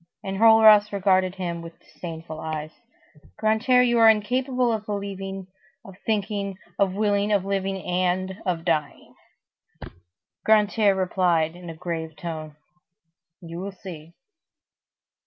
Enjolras regarded him with disdainful eyes:— "Grantaire, you are incapable of believing, of thinking, of willing, of living, and of dying." Grantaire replied in a grave tone:— "You will see."